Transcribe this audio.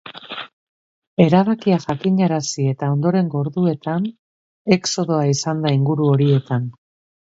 Erabakia jakinarazi eta ondorengo orduetan, exodoa izan da inguru horietan.